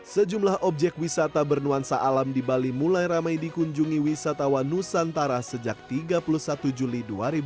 sejumlah objek wisata bernuansa alam di bali mulai ramai dikunjungi wisatawan nusantara sejak tiga puluh satu juli dua ribu dua puluh